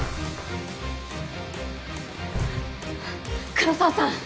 黒澤さん！